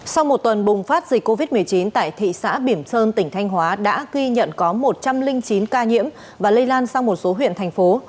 sau một tuần bùng phát dịch covid một mươi chín tại thị xã biểm sơn tỉnh thanh hóa đã ghi nhận có một trăm linh chín ca nhiễm và lây lan sang một số huyện thành phố